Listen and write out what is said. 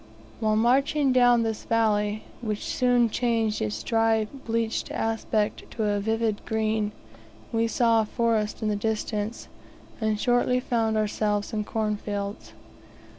While marching down this valley which soon changed its dry, bleached aspect to a vivid green we saw a forest in the distance, and shortly found ourselves in corn fields.